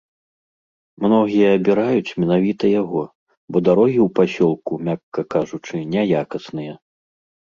Многія абіраюць менавіта яго, бо дарогі ў пасёлку, мякка кажучы, няякасныя.